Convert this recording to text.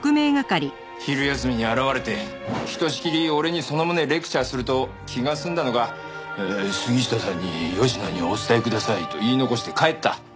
昼休みに現れてひとしきり俺にその旨レクチャーすると気が済んだのか「杉下さんによしなにお伝えください」と言い残して帰った。